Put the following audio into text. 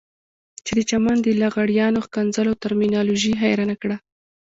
چې د چمن د لغړیانو ښکنځلو ترمینالوژي حيرانه کړه.